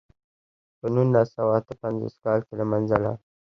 په نولس سوه اته پنځوس کال کې له منځه لاړ.